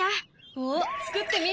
おっ作ってみる？